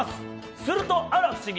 すると、あら不思議！